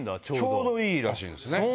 ちょうどいいらしいです。